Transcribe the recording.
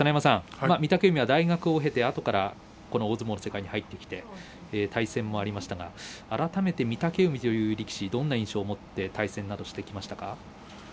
御嶽海は大学を経てあとからこの大相撲の世界に入ってきて対戦もありましたが改めて御嶽海という力士どんな印象を持って対戦などしてきましたか？